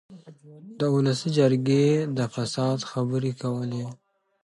د اولسي جرګې د فساد خبرې کولې.